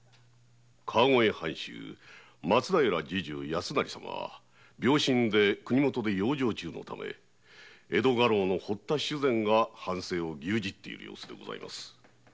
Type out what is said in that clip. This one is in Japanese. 川越藩主松平侍従康成様は病身で国元で養生中のため江戸家老の堀田主膳が藩政を牛耳っている様子でございます。